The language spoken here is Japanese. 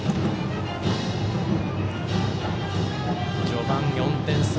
序盤、４点差。